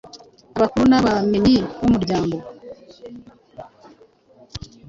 Abakuru n'abamenyi b'umuryango